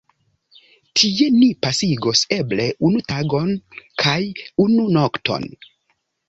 Tie ni pasigos eble unu tagon kaj unu nokton.